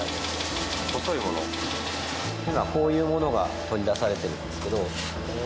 今こういうものが取り出されてるんですけど。